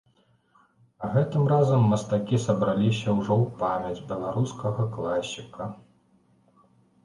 А гэтым разам мастакі сабраліся ўжо ў памяць беларускага класіка.